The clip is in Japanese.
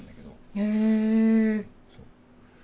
へえ。